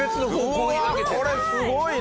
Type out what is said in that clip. うわこれすごいね！